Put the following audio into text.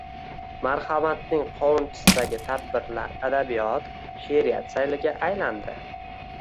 Marhamatning Qovunchisidagi tadbirlar adabiyot, she’riyat sayliga aylandi